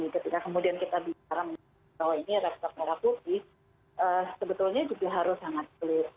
ketika kemudian kita bicara bahwa ini laptop merah putih sebetulnya juga harus sangat clear